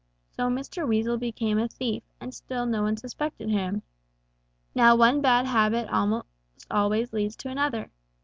So Mr. Weasel became a thief, and still no one suspected him. Now one bad habit almost always leads to another.